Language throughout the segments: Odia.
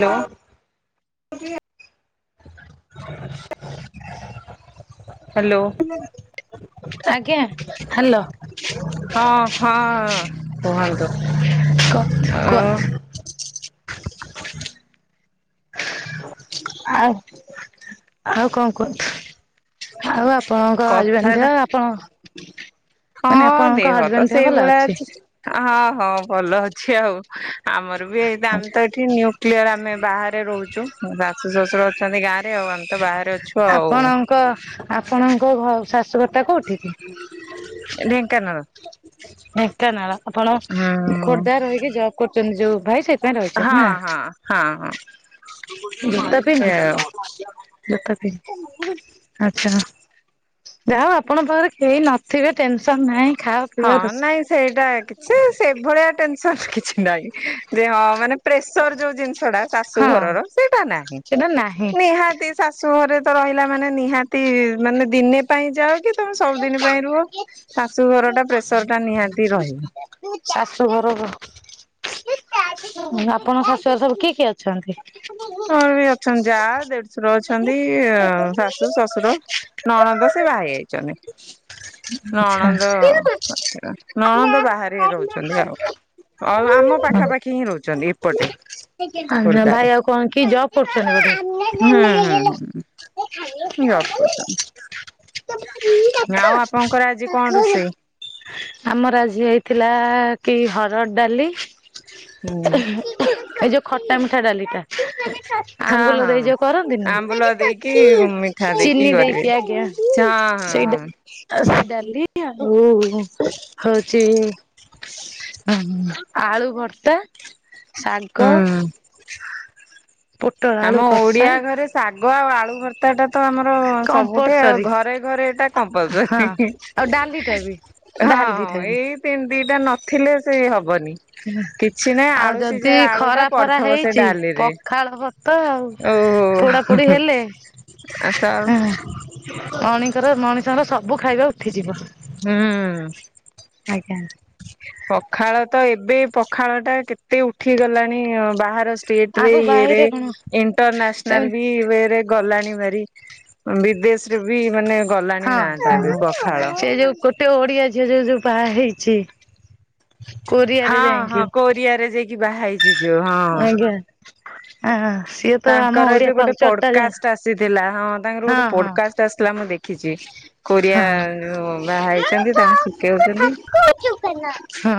ହ୍ୟାଲୋ [inaudible] ହ୍ୟାଲୋ [inaudible] ଆଜ୍ଞା, ହାଲୋ। ହଁ ହଁ [inaudible] କୁହନ୍ତୁ। ଅ [unintelligible] ଆଉ, ଆଉ କଣ କୁହନ୍ତୁ? ଆଉ ଆ ପଣଙ୍କ ହଜବେନ୍ଥ କଥାଟା ଆପଣ ମାନେ ହଁ ଆପଣଙ୍କ ଦେହ ତ ହଜବେଣ୍ଡ ଭଲ ସେଇଭଳିଆ ଅଛି, ହଁ ହଁ ଭଲ ଅଛି ଆଉ। ଆମର ବି ଏଇ ତ ଆମେ ତ ଏଠି ନିଉ କ୍ଲିୟର ଆମେ ବାହାରେ ରହୁଛୁ। [unintelligible] ଶାଶୁ ଶଶୁର ଅଛନ୍ତି ଗାଁରେ ଆଉ ଆମେ ତ ବାହାରେ ଅଛୁ ଆଉ। କ ଆପଣଙ୍କ ଘ ଶାଶୁ ଘରଟା କୋଉଠି? ଏ ଢେଙ୍କାନାଳ। ଢେଙ୍କାନାଳ ଆପଣ ହୁଁ ଖୋର୍ଦ୍ଧା ରହିକି ଜବ୍ କରୁଛନ୍ତି ଯୋଉ ଭାଇ ସହି ହଁ, ହଁ, ହଁ, ହଁ। ଜୋତା ଏମିତି ପିନ୍ଧ, ଆଉ ଜୋତା ପିନ୍ଧ ଆଚ୍ଛା। ଯାହଉ ଆପଣ ପାଖରେ କେହି ନଥିବେ ଟେନସନ ନାହିଁ? ଖାଅ ପିଅ ହଁ ରୋଷେଇ ନାଇଁ ସେଇଟା କିଛି ସେ ଭଳିଆ ଟେନସନ କିଛି ନାଇଁ ଯେ ହଁ ମାନେ ପ୍ରେସର ଯୋଉ ଜିନିଷ ଷଟା ଶାଶୁ ହଁ ଘରର ସେଇଟା ନାହିଁ ସେଟା ନାହିଁ ନିହାତି। ଶାଶୁ ଘରେ ତ ରହିଲା ମାନେ ନିହାତି ମାନେ ଦିନେ ପାଇଁ ଯାଅ କି ତମେ ସବୁଦିନ ପାଇଁ ରୁହ ଶାଶୁ ଘର ଟା ପ୍ରେସରଟା ନିହାତି ରହିବ। ଶାଶୁ ଘରବ। ଆପଣଙ୍କ ଶୁଆ ସବୁ କିଏ କିଏ ଅଛନ୍ତି? ମୋର ବି ଅଛନ୍ତି ଯା, ଦେଢଶୁର, ଅଛନ୍ତି ଶାଶୁ, ଶଶୁର ନଣଦ ସେ ବାହା ହେଇ ଯାଇଛନ୍ତି। ଆଚ୍ଛା। ନଣନ୍ଦ ନଣନ୍ଦ ବାହାରେ ରହୁଛନ୍ତି ଆଉ। ଆଉ ଆମ ପାଖା ପାଖି ହିଁ ରହୁଛନ୍ତି ଏପଟେ। ଖୋର୍ଦ୍ଧାରେ ଭାଇ ଆଉ କଣ କି ଜବ? [inaudible] [inaudible] ହୁଁ ହୁଁ ହୁଁ ଜବ କରୁଛନ୍ତି। ଆଉ ଆପଣଙ୍କର ଆଜି କଣ ରୋଷେଇ? ଆମର ଆଜି ହେଇଥିଲା କି ହରଡ଼ ଡାଲି। ଏଇ ଯୋଉ ଖଟା ମିଠା ଡାଲିଟା। ହଁ ଆମ୍ବୁଲ ଦେଇ ହଁ ଯୋଉ କରନ୍ତିନି ଆମ୍ବୁଲ ଦେଇକି ମିଠା ଦେଇକି କରିବେ। ଇଛା। ଏଇଟା ସେ ଡାଲି ଆଉ ହଉଛି। ଆ ଆଳୁ ଭର୍ତ୍ତା ଶା ହୁଁ। ପୋଟଳ ଆଳୁ ଆମ କଷା ଓଡିଆ ଘରେ ଶାଗ ଆଉ ଆଳୁ ଭର୍ ତାଟା ତ ଆମର ସବୁଠେ ଆଉ କମ୍ପଲସରୀ ଘରେ ଘରେ ଏଇଟା ହଁ କମ୍ପଲସରୀ। ଆଉ ଡାଲିଟା ବି ହଁ ଡାଲିଟା ହଁ ବି ଏଇ ତିନି ଦିଟା ନଥିଲେ ସେ ହବନି। କିଛି ନାହିଁ ଆଉ ଆଳୁ ଯଦି ସିଝା ଆଳୁ ଟା ଖରା ଫରା ପଡିଥିବ ସେ ହେଇଛି ଡାଲିରେ। ପଖାଳ ଭା ତ ଆଉ ଓହୋ ପୋଡାପୋଡି ହେଲେ। ଆସ ଅଣିଙ୍କର ମଣିଷଙ୍କର ସବୁ ଖାଇବା ଉଠିଯିବ। ହୁଁ। ଆଜ୍ଞା ପଖାଳ ତ ଏବେ ପଖାଳଟା କେତେ ଉଠି ଗଲାଣି ବାହାର। ଟ୍ରେନରେ ଆଉ ଇଏରେ ବାଇରେ କଣ ଇଣ୍ଟରନ୍ୟାସନାଲ ସେମିତି ବି ଇଏରେ ଗଲାଣି ଭାରି। ବିଦେଶରେ ବି ମାନେ ଗଲାଣି ନାଁ ଟା ହଁ ଏବେ ପଖାଳ। ସେ ଯୋଉ ଗୋଟେ ଓଡିଆ ଝିଅ ଯୋଉ ଯୋଉ ବାହା ହେଇଛି। ହଁ କୋରିଆରେ ହଁ ଯାଇକି କୋରିଆରେ ଯାଇକି ବାହା ହେଇଛି ଯୋଉ ହଁ। ଆଜ୍ଞା ହଁ ସିଏ ତ ଆମ ତାଙ୍କର ଓଡିଆ ଏବେ ଗୋଟେ କଲଚର ଟା ଯା ପଡକାଷ୍ଟ ଆସିଥିଲା ହଁ ତାଙ୍କର ହଁ ଗୋଟେ ହଁ ପୋଡକାଷ୍ଟ ଆସି ମୁ ଦେଖିଛି କୋରିଆ ହଁ ବାହା ହେଇଛନ୍ତି ତାଙ୍କୁ ଶିଖେଇଉଛନ୍ତି। ହଁ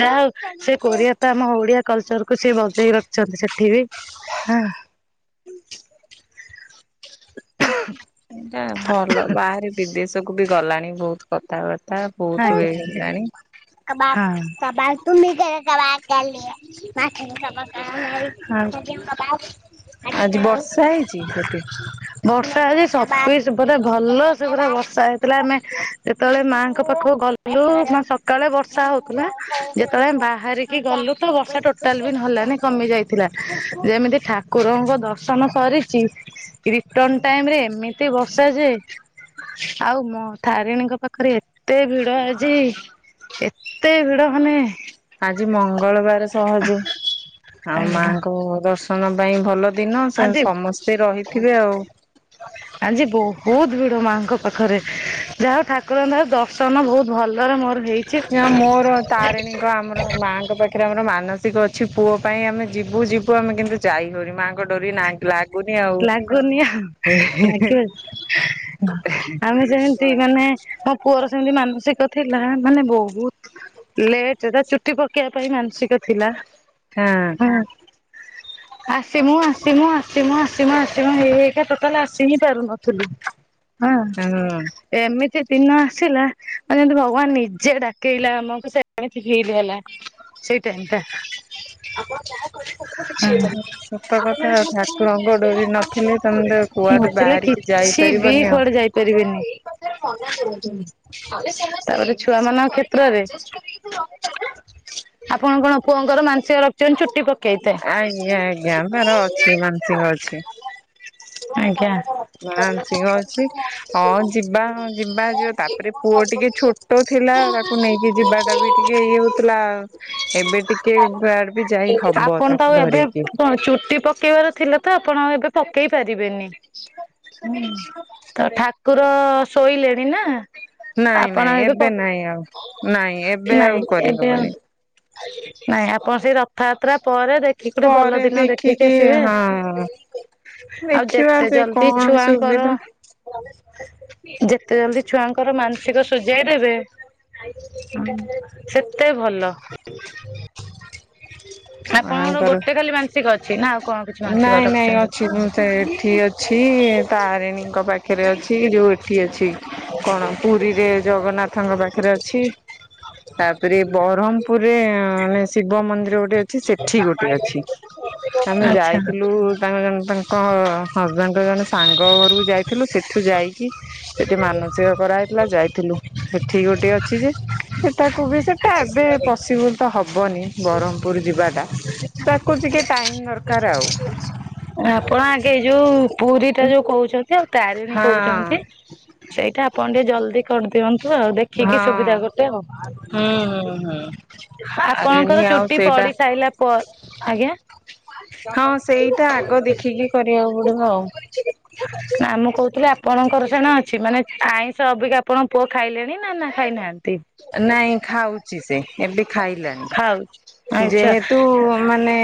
ଯାହା ହଉ ସେ କୋରିଆ ତ ଆମ ଓଡିଆ କଲଚରକୁୁ ସେ ବଞ୍ଚେଇ ରଖିଛନ୍ତି ସେ। ଉଠିବି ହଁ। ଏଇଟା ଭଲ ବାହାରେ ବିଦେଶ କୁ ବି ଗଲାଣି ବହୁତୁ। କଥାବାର୍ତ୍ତା ବହୁତ ଇଏ ଆଜ୍ଞା ଆଜ୍ଞା। ହେଲାଣି। [inaudible] [inaudible] ଆଜି ବର୍ଷା ହେଇଛି ସେଠି। ବର୍ଷା ହେଇଛି ସତି ସେ ପଟେ ଭଲ ସେ ପୁରା ବର୍ଷା ହେଇଥିଲା ଆମେ ଯେତେବେଳେ ମା ପାଖ ପାଖ ଗଲୁ ମ ସକାଳେ ବର୍ଷା ହଉଥିଲା ଯେତେବେଳେ ବାହାରିକି ଗଲୁ। ତ ବର୍ଷା ଟୋଟାଲ ବି ନହ ହେଲୋନି କମି ଯାଇ ଥିଲା ଯେମିତି ଠାକୁରଙ୍କ ଦର୍ଶନ କରିଚି। ରିଟର୍ଣ ଟାଇମରେ ଏମିତି ବର୍ଷା ଯେ ଆଉ ମ ତାରିଣୀଙ୍କ ପାଖରେ ଏ ଏତେ ଭିଡ ଆଜି ଏତେ ଭିଡ ମାନେ ଆଜି ମଙ୍ଗଳବାର ସହଜେ ଆଉ ଆଜ୍ଞା ମାଙ୍କ ଦର୍ଶନ ପାଇଁ ଭଲ। ଦିନ ସ ଆଜି ସମସ୍ତେ ରହିଥିବେ ଆଉ। ଆଜି ବହୁତ ଭିଡ ମାଙ୍କ ପାଖରେ। ଯାହା ହଉ ଠାକୁରଙ୍କ ଦୟା ରୁ ଦର୍ଶନ ବହୁତ ଭଲରେ ମୋର। ହେଇଛି। ଏହା ମୋର। ତାରିଣୀଙ୍କ ଆମର ମାଆଙ୍କ ପାଖରେ ଆମର ମାନସିକ ଅଛି ପୁଅ ପାଇଁ ଆମେ ଯିବୁ ଯିବୁ ଆମେ କିନ୍ତୁ ଯାଇ ହୋଉନି ମାଙ୍କ ଡୋରି ନା ଲାଗୁନି ଆଉ। ଲାଗୁନି ଆଉ ଲାଗିବ ଆମେ ଯେମିତି ମାନେ ମୋ ପୁଅର ସେମିତି ମାନସିକ ଥିଲା ମାନେ ବହୁତ। ଲେଟ ରେ ଚୁଟି ପକେଇବା ପାଇଁ ମାନସିକ ଥିଲା। ହଁ ହଁ ଆସି ମୁୁ ଆସିମୁ ଆସିମୁ ଆସି ଆସିମୁ ଆସିମୁ ହେଇ ହେଇ କା ଟୋ ମାସ ମଜଟାଲି ଆସି ହିଁ ପାରୁନଥିଲୁ। ହଁ ତାନୁ ନୁନୁ। ଏମିତି ଦିନ ଆସିଲା ଯେମତି ଭଗବାନ ନିଜେ ଡାକେଇଲା ଆମକୁ ସେ ଏମିତି ଫିଲ୍ ହେଲା। ସେଇଟା ଏନ୍ତା। ଗଡରି ନଥିଲେ ତମେ ତ କୁଆଡେ ବାହାରିକି ଯାଇପାରିବନି ଆଉ। କରିବେନି। ତାପରେ ଛୁଆ ମାନଙ୍କ କ୍ଷେତ୍ରରେ। ଆପଣ କଣ ପୁଅଙ୍କର ମାାନସିକ ରଖୁଛନ୍ତି ଚୁଟି ପ ଆଜ୍ଞା ଆଜ୍ଞା ତାର ଅଛି ମାନସିକ ଅଛି। ଆଜ୍ଞା। ମାଂସିକ ଅଛି ହଁ ଯିବା ଯିବା ଯିବା ତାପରେ ପୁଅ ଟିକେ ଛୋଟ ଛୋଟ ଥିଲା ତାକୁ ନେଇକି ଯିବା ଟା ବି ଟିକେ ଇଏ ହେଉଥିଲା ଏବେ ଟିକେ ବି ଯାଇ ହବ ଆପଣ ତାକୁ ଏବେ ଧରିକି। ଚୁଟି ପକେଇବାର। ଥିଲା ତ ଆପଣ ଏବେ ପକେଇ ପାରିବେନି। ହ ତ ଠାକୁର ଶୋଇଲେଣି ନା। ନାଇଁ ଆପଣ ନାଇଁ ପ ଏବେ ନାଇଁ ଆଉ ନାଇଁ ଏବେ ନାଇଁ ଆଉ ଏବେ କରିହବନି। ନାଇଁ ଆପଣ ସେଇ ରଥଯାତ୍ରା ପରେ ଦେଖିକି ଗୋଟେ ଭଲ ପରେ ଦିନ ଦେଖିକି ଆସିବେ ଆଉ ହଁ ଆଉ ଦେଖିବା ଯେତେ ସେ ଜଲଦି କଣ ଛୁଆଙ୍କର। ସୁବିଧା ଯେତେ ଜଲଦି ଛୁଆଙ୍କର ମାନସିକ ସୁଜାଇ ଦେବେ। ସେତେ ଭଲ। ଆପଣଙ୍କର ମାଙ୍କର ଗୋଟେ ଖାଲି ମାନସିକ ଅଛି ନା ଆଉ କଣ। ମାନସିକ ନାଇଁ ନାଇଁ ରଖିଛନ୍ତି? ଅଛି ମୁଁ ସେ ଏଠି ଅଛି ତାରିଣୀଙ୍କ ପାଖରେ ଅଛି ଯୋଉ ଏଠି ଅଛି। କଣ ପୁରୀରେ ଜଗନ୍ନାଥଙ୍କ ପାଖରେ ଅଛି। ତାପରେ ବ୍ରହମପୁରରେ ମାନେ ଶିବ ମନ୍ଦିର ଗୋଟେ ଅଛି ସେଠି ଗୋଟେ ଅଛି। ଆଛା। ଆଇଥିଲି। ତାଙ୍କ ଜଣେ ତାଙ୍କ ହଜବେଣ୍ଡଙ୍କ ଜଣେ ସାଙ୍ଗ ଘରକୁ ଯାଇଥିଲୁ ସେଠୁ ଯାଇକି ସେଠି ମାନସିକ କରାହେଇଥିଲା ଯାଇଥିଲୁ ସେଠି ଗୋଟେ ଅଛି ଯେ ସେଟାକୁ ବି ସେଟା ଏବେ ପସିବୁଲ ତ ହବନି ବ୍ରମପୁର ଯିବାଟା ତାକୁ ଟିକେ ଟାଇମ ଦରକାର ଆଉ। ଆପଣ ଆଗେ ଏ ଯୋଉ ପୁରୀ ଟା ଯୋଉ କହୁଛନ୍ତି ଆଉ ତାରିଣୀ ହଁ କହୁଛନ୍ତି। ସେଇଟା ଆପଣ ଟିକେ ଜଲ୍ଦି କରିଦିଅନ୍ତୁ ଆଉ ହଁ ଦେଖିକି ସୁବିଧା ଗୋଟେ ଆଉ। ହୁଁ ହୁଁ ହୁଁ ଆରେଣୀ ଆପଣଙ୍କର ଆଉ ଚୁଟି ସେଇଟା ପଡି ସାରିଲା କ ଆଜ୍ଞା। ହଁ, ସେଇଟା ଆଗ ଦେଖିକି କରିବାକୁ ପଡିବ ଆଉ। ନା ମୁଁ କହୁଥିଲି ଆପଣଙ୍କର ସିନା ଅଛି, ମାନେ ଆଇଁଷ ଅବିକା ଆପଣଙ୍କ ପୁଅ ଖାଇଲେଣି ନା, ନା ଖାଇନାହାନ୍ତି? ନାଇଁ ଖାଉଛି ସେ, ଏବେ ଖାଇଲାଣିି, ଖାଉଛି ଆଚ୍ଛା। ଯେହେତୁ ମାନେ,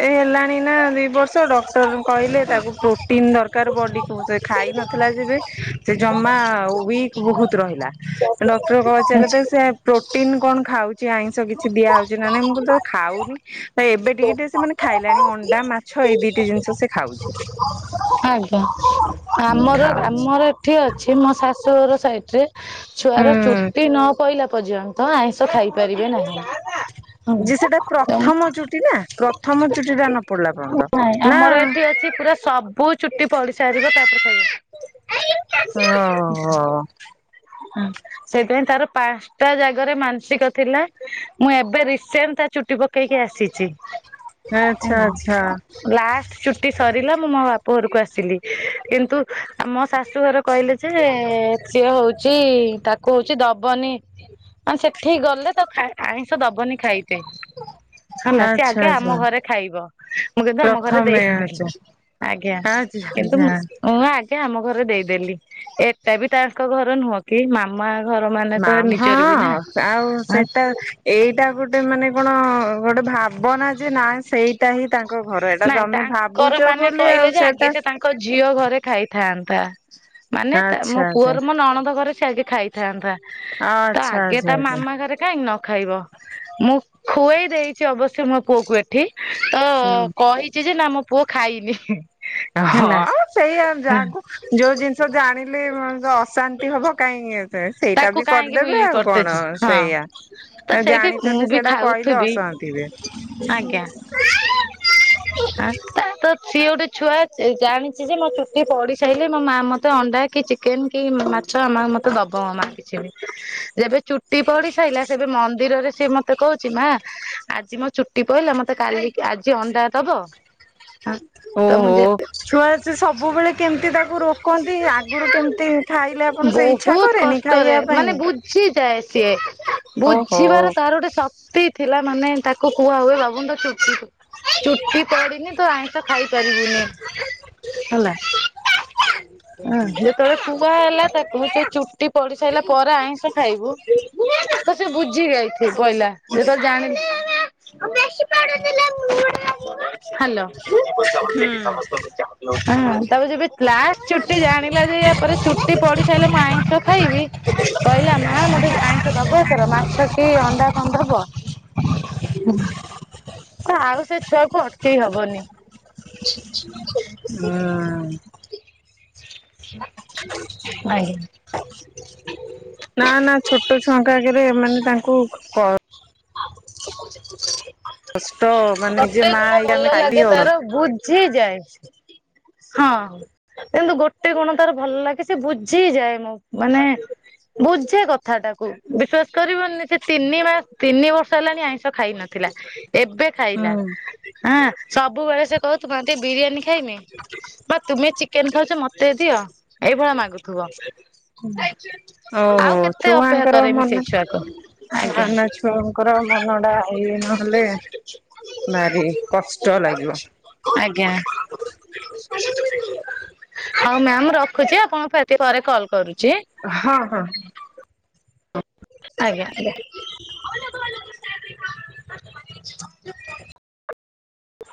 ଏ ହେଲାଣି ନା ଦୁଇ ବର୍ଷ, ଡକ୍ଟର କହିଲେ ତାକୁ ପ୍ରୋଟିନ ଦରକାର ବଡି କୁ, ସେ ଖାଇ ନଥିଲା ଯେବେ ସେ ଜମା ୱିକ୍ ବହୁତ ରହିଲା। ଡକ୍ଟର ପଚାରିଲା ତ ସେ ଆଚ୍ଛା। ପ୍ରୋଟିନ୍ କଣ ଖାଉଚି? ଆଇଁଷ କିଛି ଦିଆହେଉଚି ନା ନାଇଁ, ମୁଁ କହିଲି ତ ଖାଉନି ତ ଏବେ ଟିକେ ଟିକେ ସେ ମାନେ ଖାଇଲାଣି। ଅଣ୍ଡା, ମାଛ ଏଇ ଦିଟି ଜିନିଷ ସେ ଖାଉଛି। ଆଜ୍ଞା। ଆମର, ଖାଉଛି ଆମ ଏଠି ଅଛି ମୋ ଶାଶୁଘର ସାଇଡ୍ ରେ, ଛୁଆର ହୁଁ। ଚୁଟି ନ ପଇଲା ପର୍ଯ୍ୟନ୍ତ ଆଇଁ ଷ ଖାଇପାରିବେ ନାହିଁ। ଯେ ସେଟା ପ୍ରଥମ ଚୁଟି ନା, ପ୍ରଥମ ଚୁଟି ଟା ନ ପଡିଲା ପ ଆମର ଏଠି ଅଛି ପୁରା ସବୁ ଚୁଟି ପଡି ସାରିବ, ତାପରେ ଖାଇବ। ହଁ ହଁ। ହୁଁ, ସେଇଥି ପାଇଁ ତାର ପାଞ୍ଚଟା ଜାଗାରେ ମାନସିକ ଥିଲା ମୁଁ ଏବେ ରିସେଣ୍ଟ ତା ଚୁଟି ପକେଇକି ଆସିଚି। ହୁଁ ଆଚ୍ଛା ଆଚ୍ଛା ହୁଁ ଲାଷ୍ଟ ଚୁଟି ସରିଲା, ମୁଁ ମୋ ବାପ ଘରକୁ ଆସିଲି କିନ୍ତୁ ଆ ମୋ ଶାଶୁଘର କହିଲେ ଯେ, ସିଏ ହଉଚି ତାକୁ ହଉଚି ଦବନି ନେ ସେଠିକି ଗଲେ ତ ଆଇଁଷ ଦବନି ଖାଇତେ ହେଲା, ସେ ଆଚ୍ଛା ଆଗେ ଆଚ୍ଛା। ଆମ ଘରେ ଖାଇବ। ମୁଁ କହିବି ଆମ ଘରେ ପ୍ରଥମେ ଦେଇଦେଲେ। ଆଚ୍ଛା ଆଜ୍ଞା। ଆଚ୍ଛା କିନ୍ତୁ ମୁଁ ଆଚ୍ଛା ମୁଁ ଆଗେ ଆମ ଘରେ ଦେଇଦେଲି, ଏଟା ବି ତାଙ୍କ ଘର ନୁହଁ କି ମାମା ଘର ମାନେ ତ, ମାମ୍ ନିଜର ବି ନା? ହଁ ଆଉ ସେଇଟା ଉଁ ଏଇଟା ଗୋଟେ ମାନେ କଣ ଗୋଟେ ଭାବନା ଯେ, ନା ସେଇ ଏଟା ହିଁ ତାଙ୍କ ଘର, ଏଇଟା ନାଇଁ ତମେ ତାଙ୍କର ଭାବୁଛ ମାନେ ବୋଲି କହିଲେ ଆଉ ଯେ ଆଗେ ସେଇଟା ସେ ତାଙ୍କ ଝିଅ ଘରେ ଖାଇଥାନ୍ତା। ମାନେ ଆଚ୍ଛା ମୋ ଆଚ୍ଛା ପୁଅର, ମୋ ନଣନ୍ଦ ଘରେ ସେ ଆଗେ ଖାଇ ଥାନ୍ତା, ତ ଆଚ୍ଛା ଆଗେ ଆଚ୍ଛା ତା ଆଚ୍ଛା ମାମା ଘରେ କାହିଁକ ନ ଖାଇବ? ମୁଁ ଖୁଆଇ ଦେଇଛି ଅବଶ୍ୟ ମୋ ପୁଅ କ ଏଠି, ତ ହୁଁ। କହିଛି ଯେ, ନା ମୋ ପୁଅ ଖାଇନି। ହେଲା। ହଁ, ସେଇଆ ଯାହାକୁ, ଯୋଉ ଜିନିଷ ଜାଣିଲେ ମଣିଷ ଅଶାନ୍ତି ହବ, କାଇଁ ଏ ସେଇଟା ତାକୁ ବି କାହିଁକି ମୁଁ କରିଦେବେ ଇଏ ଆଉ କଣ, କରିଦେଇଛି ହଁ ସେଇଆ। ତ ସେଇଠି ମୁଁ ଜାଣିଚନ୍ତି, ବି ସେଇଟା କହିଲେ ଖାଉଥିବି ଅଶାନ୍ତି ବି ଆଜ୍ଞା। [unintelligible] ତା ତ ସିଏ ଗୋଟେ ଛୁଆ ଜାଣିଚି ଯେ, ମୋ ଚୁଟି ପଡିି ସାଇଲେ, ମୋ ମା ମତେ ଅଣ୍ଡା କି ଚି କେନ୍ କି ମାଛ, ମା ମତେ ଦବ ହଁ ମା କିଛି ବି, ଯେବେ ଚୁଟି ପଡି ସାଇଲା, ସେବେ ମନ୍ଦିରରେ ସିଏ ମତେ କହୁଚି ମା ଆଜି ମୋ ଚୁଟି ପଇଲା, ମତେ କାଲି କି ଆଜି ଅଣ୍ଡା ଦବ? ତ ମୁଁ ଓହୋ ଯେ ଛୁଆ ସେ ସବୁବେଳେ କେମିତି ତାକୁ ରୋକନ୍ତି, ଆଗରୁ କେମିତି ଥାଇଲେ ଆପଣ ସେ ଇଛା ବହୁତ କରେ? କଷ୍ଟରେ, ମାନେ ବୁଝିଯାଏ ସିଏ, ଓହୋ। ବୁଝିବାର ତାର ଗୋଟେ ଶକ୍ତି ଥିଲା, ମାନେ ତାକୁ କୁହାହୁଏ, ବାବୁନୁ ତୋ ଚୁଟି, ଚୁଟି ପଡିନି ତୁ ଆଇଁ ତ ଖାଇପାରିବୁନି ହେଲା ଉ ଯେତେବେଳେ ପୁ କୁହାହେଲା ତାକୁୁ ତୁ ଚୁ ପଢି ସାଇଲା ପରେ ଆଇଁଷ ଖାଇବୁ ତ ସେ ବୁଝି ଯାଇଥିବ ପଇଲା ଯେତବେଳେ ଜାଣିନି ହଲୋ। ହଁ ହୁଁ ତାପରେ ଯବେ ଲାଷ୍ଟ ଚୁଟି ଜାଣିଲା ଯେ ୟାପରେ ଚୁଟି ପଢି ସାଇଲା ମୁଁ ଆଇଁ ସ ଖାଇବି କହିଲା ମା ମତେ ଆଇଁଷ ଦବ ଏଥର ମାଛ କି ଅଣ୍ଡା ଫଣ୍ଡା ଦବ [inaudible] ହୁଁ। ତ ଆଉ ସେ ଛୁଆକୁ ଅଟକେଇ ହବନି। [inaudible] ଆଜ୍ଞା। ନା ନା ଛୋଟ ଛୁଆଙ୍କ ଆଗରେମାନେ ତାଙ୍କୁ କ [inaudible] କଷ୍ଟ ମାନେ ନିଜେ ଗୋଟେ ମା ଗୁଣ ହେଇକି ଆମେ ଭଲ ଖାଇ ଲାଗେ ହଉନ ତାର ବୁଝିଯାଏ। ହଁ। କିନ୍ତୁ ଗୋଟେ କଣ ତାର ଭଲ ଲାଗେ ସେ ବୁଝିଯାଏ ମ ମାନେ ବୁଝେ କଥା ଟାକୁ ବିଶ୍ଵାସ କରିବନି ସେ ତିନି ମାସ ତିନି ବର୍ଷ ହେଲାଣି ଆଇଁଷ ଖାଇ ନ ଥିଲା ଏବେ ଖାଇଲା ହୁଁ ହଁ ସବୁବେଳେ ସେ କହୁ ମ ଟେ ବିରିୟାନୀ ଖାଇମି ବା ତୁମେ ଚିକେନ ଖାଉଛ ମତେ ଦିଅ ଏଇଭଳିଆ ମାଗୁଥିବ। ଓହୋ ଆଉ କେତେ ଅପେକ୍ଷା ଛୁଆଙ୍କର କରେଇମି ସେଇ ମନ। ଛୁଆକୁ ନା ଆଜ୍ଞା। ନା ଛୁଆଙ୍କର ମନଡା ଏଇ ନହେଲେ ଭାରି କଷ୍ଟ ଲାଗିବ। ଆଜ୍ଞା। ହଉ ମ୍ୟାମ ମୁଁ ରଖୁଚି ଆପଣ ଆଉ ଟିକେ ପରେ କଲ୍ କରୁଚି। ଅ ହଁ ହଁ। ଆଜ୍ଞା।